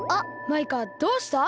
マイカどうした？